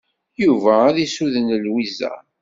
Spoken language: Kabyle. Yuba ad isuden Lwiza.